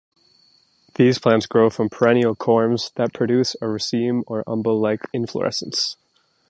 These plants grow from perennial corms that produce a raceme or umbel-like inflorescence.